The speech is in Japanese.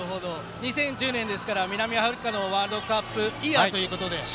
２０１０年ですから南アフリカのワールドカップイヤーということで。